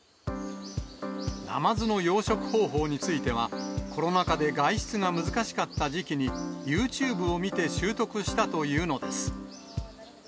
ナマズの養殖方法については、コロナ禍で外出が難しかった時期に、ユーチューブを見て習得したというのです。